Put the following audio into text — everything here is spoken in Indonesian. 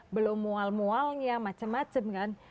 belum mual mualnya macem macem kan